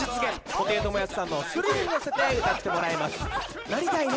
布袋寅泰さんの「スリル」に乗せて歌ってもらいます「なりたいな」